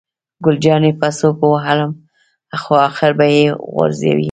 ګل جانې په سوک ووهلم، خو آخر به یې غورځوي.